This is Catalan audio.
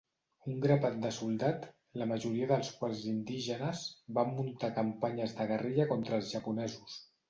Un grapat de soldat, la majoria dels quals indígenes, van muntar campanyes de guerrilla contra els japonesos.